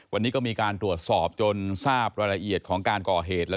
วันนี้ก็มีการตรวจสอบจนทราบรายละเอียดของการก่อเหตุ